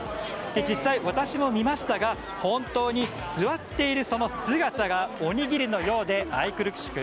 実際、私も見ましたが本当に座っているその姿がおにぎりのようで愛くるしく